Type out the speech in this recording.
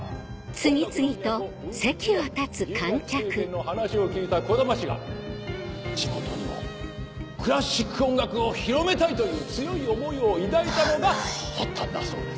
ウィーンへの留学経験の話を聞いた児玉が地元にもクラシック音楽を広めたいという強い思いを抱いたのが発端だそうです。